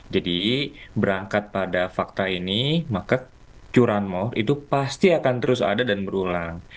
jadi berangkat pada fakta ini maka curanmor itu pasti akan terus ada dan berulang